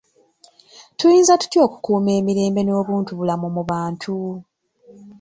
Tuyinza tutya okukuuma emirembe n'obuntubulamu mu bantu?